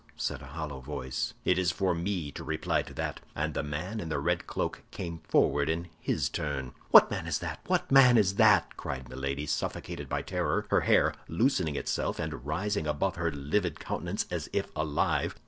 said a hollow voice. "It is for me to reply to that!" And the man in the red cloak came forward in his turn. "What man is that? What man is that?" cried Milady, suffocated by terror, her hair loosening itself, and rising above her livid countenance as if alive.